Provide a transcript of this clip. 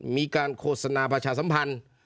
มีการโฆษณาประชาสัมพันธ์